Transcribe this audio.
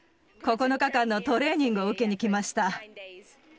９日間のトレーニングを受けに来ました。